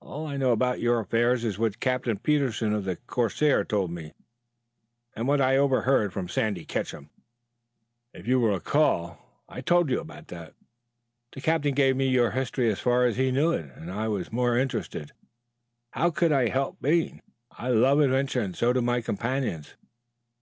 All I know about your affairs is what Captain Petersen of the 'Corsair' told me, and what I overheard from Sandy Ketcham. If you will recall I told you about that. The Captain gave me your history as far as he knew it, and I was much interested. How could I help being? I love adventure and so do my companions.